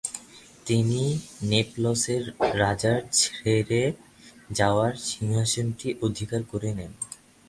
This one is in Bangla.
তিনি নেপলসের রাজার ছেড়ে যাওয়ার সিংহাসনটি অধিকার করে নেন।